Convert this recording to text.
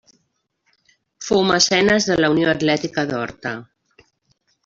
Fou mecenes de la Unió Atlètica d'Horta.